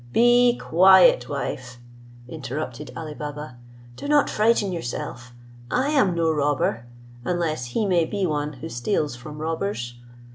"Be quiet, wife," interrupted Ali Baba, "do not frighten yourself, I am no robber, unless he may be one who steals from robbers.